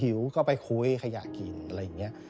หิวก็ไปคุยขยะกินอะไรอย่างนี้